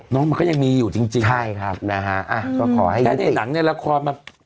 น้องมันก็ยังมีอยู่จริงนะฮะอ้าวขอให้ดริกไอ้ในหนังน่ะละคร